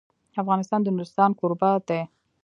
افغانستان د نورستان کوربه دی.